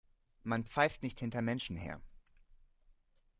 Man pfeift nicht hinter Menschen her.